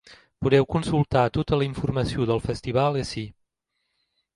Podeu consultar tota la informació del festival ací.